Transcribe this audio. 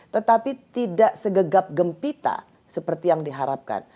tetapi tidak segegap gempita seperti yang diharapkan